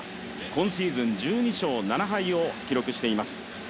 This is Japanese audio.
今シーズン１２勝７敗を記録しています。